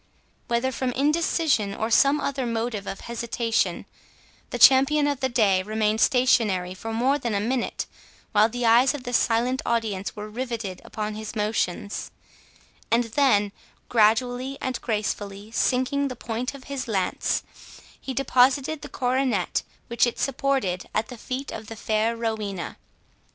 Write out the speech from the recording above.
Whether from indecision, or some other motive of hesitation, the champion of the day remained stationary for more than a minute, while the eyes of the silent audience were riveted upon his motions; and then, gradually and gracefully sinking the point of his lance, he deposited the coronet which it supported at the feet of the fair Rowena.